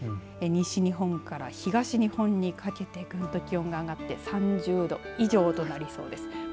西日本から東日本にかけてぐんと気温が上がって３０度以上となりそうです。